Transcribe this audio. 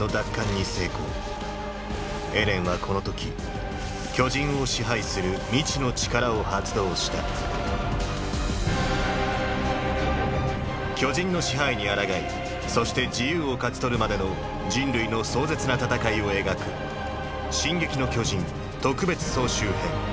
エレンはこの時巨人を支配する未知の力を発動した巨人の支配に抗いそして自由を勝ち取るまでの人類の壮絶な戦いを描く「進撃の巨人特別総集編」。